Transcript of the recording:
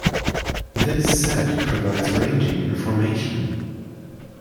This set provides ranging information.